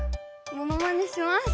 ものまねします。